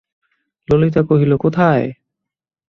ললিতা কহিল, কোথায়?